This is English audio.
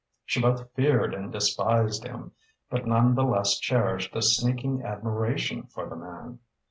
She both feared and despised him, but none the less cherished a sneaking admiration for the man.